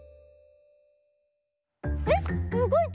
えっ⁉うごいた？